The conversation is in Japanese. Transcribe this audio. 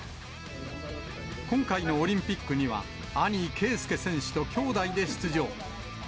今回のオリンピックには、兄、圭祐選手と兄弟で出場。